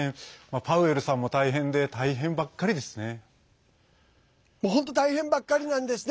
パウエルさんも大変で本当、大変ばっかりなんですね。